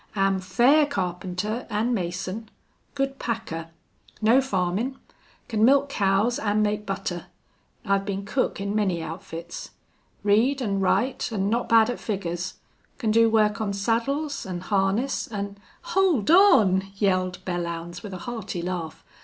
"Am fair carpenter an' mason. Good packer. Know farmin'. Can milk cows an' make butter. I've been cook in many outfits. Read an' write an' not bad at figures. Can do work on saddles an' harness, an " "Hold on!" yelled Belllounds, with a hearty laugh.